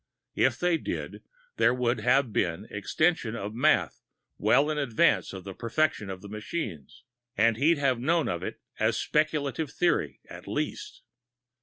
If they did, there would have been extension of math well in advance of the perfection of the machines, and he'd have known of it as speculative theory, at least.